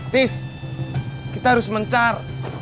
tis kita harus mencar